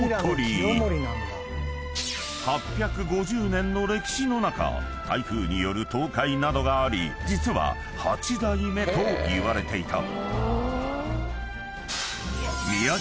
［８５０年の歴史の中台風による倒壊などがあり実は８代目といわれていた］